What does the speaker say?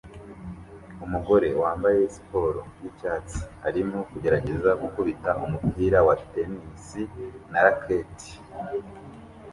Umugore wambaye siporo yicyatsi arimo kugerageza gukubita umupira wa tennis na racket